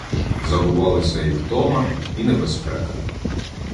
Забувалися і втома, і небезпека.